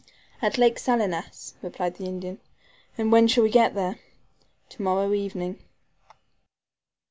"At Lake Salinas," replied the Indian. "And when shall we get there?" "To morrow evening."